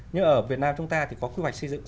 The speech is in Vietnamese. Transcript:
nhưng ở việt nam chúng ta thì có quy hoạch xây dựng